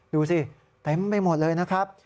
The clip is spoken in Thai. ดูสิเต็มไปหมดเลยนะครับ